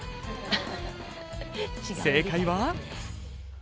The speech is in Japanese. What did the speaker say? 正解は。